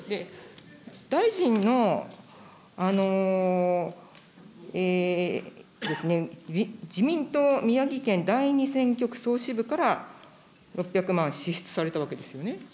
大臣の自民党宮城県第２選挙区総支部から６００万支出されたわけですよね。